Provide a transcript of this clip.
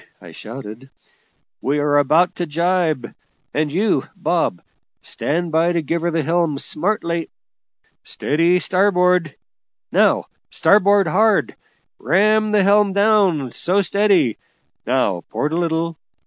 I shouted; "we are about to jibe; and you, Bob, stand by to give her the helm smartly. Steady starboard! now starboard hard! ram the helm down! so, steady! Now port a little!